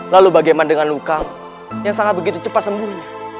lalu bagaimana dengan luka yang sangat begitu cepat sembuhnya